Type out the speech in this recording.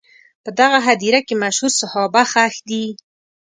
په دغه هدیره کې مشهور صحابه ښخ دي.